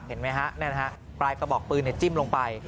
เป็นรอยสักเห็นไหมฮะปลายกระบอกปืนจิ้มลงไป